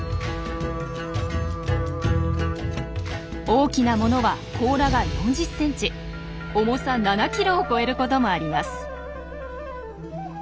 大きなものは甲羅が４０ｃｍ重さ７ｋｇを超えることもあります。